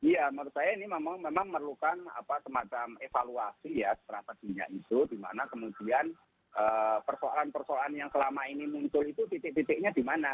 ya menurut saya ini memang memang memerlukan apa semacam evaluasi ya setelah petunjian itu di mana kemudian persoalan persoalan yang selama ini muncul itu titik titiknya di mana